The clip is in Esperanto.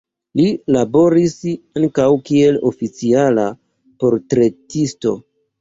Li laboris ankaŭ kiel oficiala portretisto.